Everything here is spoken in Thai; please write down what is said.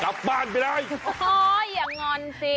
กลับบ้านไปเลยพอยอย่างนอนสิ